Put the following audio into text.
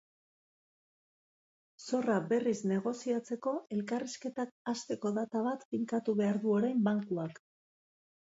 Zorra berriz negoziatzeko elkarrizketak hasteko data bat finkatu behar du orain bankuak.